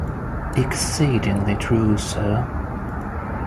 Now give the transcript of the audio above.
Exceedingly true, sir.